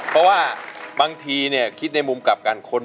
เพราะว่าบางทีคิดในมุมกลับกัน